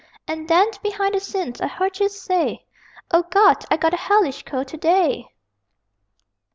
And then, behind the scenes, I heard you say, "_O Gawd, I got a hellish cold to day!